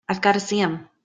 I've got to see him.